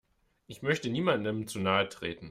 Ich möchte niemandem zu nahe treten.